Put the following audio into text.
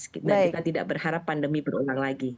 kita tidak berharap pandemi berulang lagi